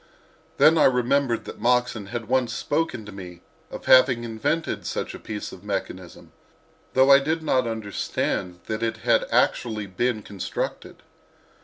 Then I remembered that Moxon had once spoken to me of having invented such a piece of mechanism, though I did not understand that it had actually been constructed.